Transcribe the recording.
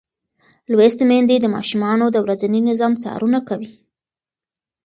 لوستې میندې د ماشومانو د ورځني نظم څارنه کوي.